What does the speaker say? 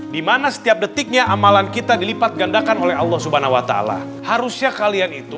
dimana setiap detiknya amalan kita dilipat gandakan oleh allah swt harusnya kalian itu